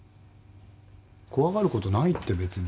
怖がることないって別に。